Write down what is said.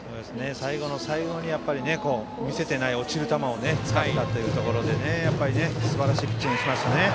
最後の最後に見せていない落ちる球を使ったというところですばらしいピッチングをしました。